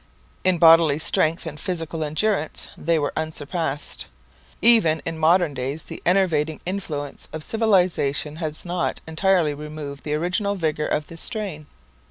In bodily strength and physical endurance they were unsurpassed. Even in modern days the enervating influence of civilization has not entirely removed the original vigour of the strain.